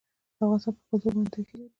افغانستان په کلتور باندې تکیه لري.